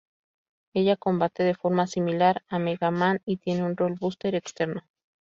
Ella combate de forma similar a Mega Man y tiene un "Roll Buster" externo.